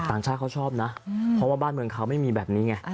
ต่างชาติเขาชอบนะเพราะว่าบ้านเมืองเขาไม่มีแบบนี้ไง